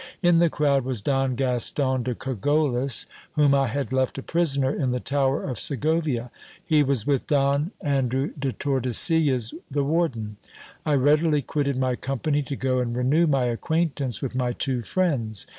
In the crowd was Don Gaston de Cogollos, whom I had left a prisoner in the tower of Segovia. He was with Don An drew de Tordesillas, the warden. I readily quitted my company to go and renew my acquaintance with my two friends.